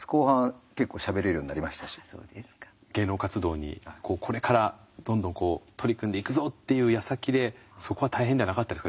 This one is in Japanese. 芸能活動にこれからどんどんこう取り組んでいくぞっていうやさきでそこは大変ではなかったですか？